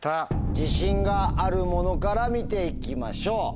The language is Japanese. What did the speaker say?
自信があるものから見て行きましょう。